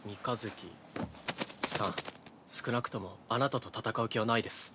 少なくともあなたと戦う気はないです。